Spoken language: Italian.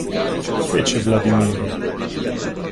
Fece Vladimiro.